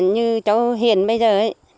như cháu hiền bây giờ